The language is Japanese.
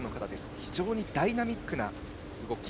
非常にダイナミックな動き。